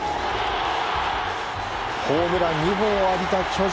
ホームラン２本を浴びた巨人。